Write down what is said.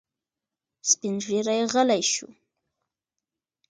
سپین ږیری غلی شو.